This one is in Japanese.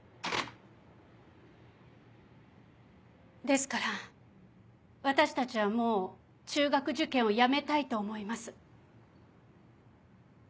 ですから私たちはもう中学受験をやめたいと思います。